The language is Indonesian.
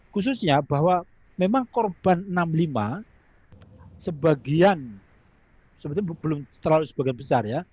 khususnya bahwa memang korban enam puluh lima sebagian sebetulnya belum terlalu sebagian besar ya